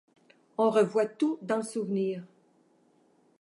On revoit tout dans le souvenir.